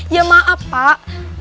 ya maaf pak